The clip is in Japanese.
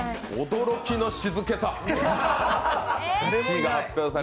驚きの静けさ。